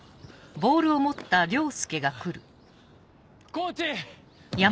コーチ！